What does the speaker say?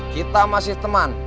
kita masih teman